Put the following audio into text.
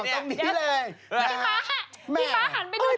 บอกตรงนี้เลย